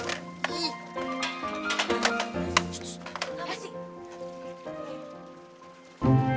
gepa tau gua aduh